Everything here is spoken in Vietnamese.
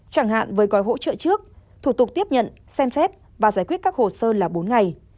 chẳng hạn với gói hỗ trợ trước thủ tục tiếp nhận xem xét và giải quyết các hồ sơ là bốn ngày